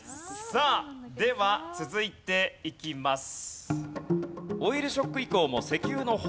さあでは続いていきます。